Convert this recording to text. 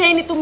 gak bisa tuh